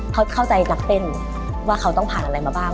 เขาเข้าใจนักเต้นว่าเขาต้องผ่านอะไรมาบ้าง